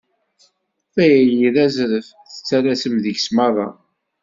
Tayri d azref, tettalasem deg-s merra.